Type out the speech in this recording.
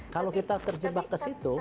kalau kita terjebak ke situ